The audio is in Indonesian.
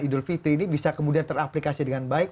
idul fitri ini bisa kemudian teraplikasi dengan baik